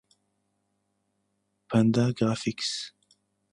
Panda Graphics.